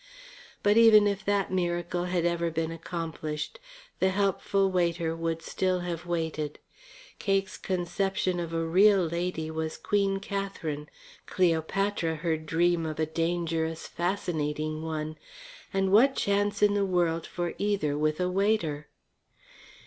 But even if that miracle had ever been accomplished the helpful waiter would still have waited. Cake's conception of a real lady was Queen Katherine; Cleopatra her dream of a dangerous, fascinating one. And what chance in the world for either with a waiter?